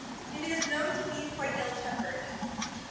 It is known to be quite ill-tempered.